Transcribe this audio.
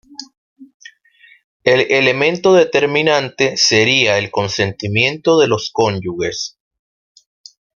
El elemento determinante sería el consentimiento de los cónyuges.